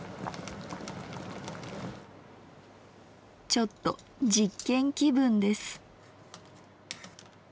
ちょっと実験気分です。